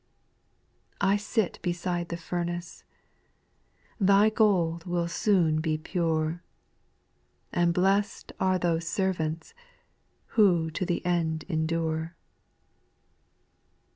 4. " I sit beside the furnace," " The gold will soon be pure," " And blessed are those servants,'* " Who to the end endure."